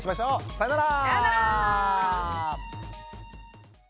さよなら。